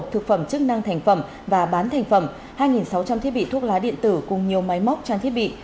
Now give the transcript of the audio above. thực phẩm chức năng thành phẩm và bán thành phẩm hai sáu trăm linh thiết bị thuốc lá điện tử cùng nhiều máy móc trang thiết bị